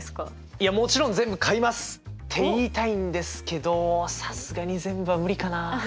いやもちろん全部買いますって言いたいんですけどさすがに全部は無理かな。